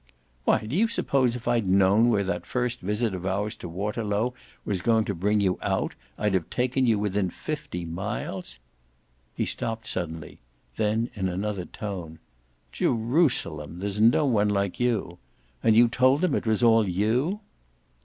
"Why, do you suppose if I'd known where that first visit of ours to Waterlow was going to bring you out I'd have taken you within fifty miles ?" He stopped suddenly; then in another tone: "Jerusalem, there's no one like you! And you told them it was all YOU?"